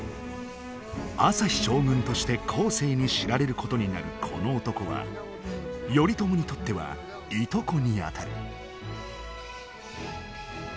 旭将軍として後世に知られることになるこの男は頼朝にとってはいとこにあたる。